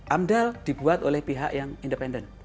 amdal dibuat oleh pihak yang independen